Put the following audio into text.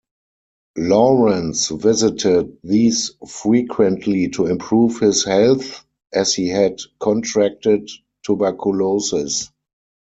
Lawrence visited these frequently to improve his health, as he had contracted tuberculosis.